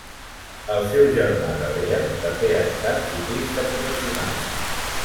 El seu germà Gabriel, també ha estat ciclista professional.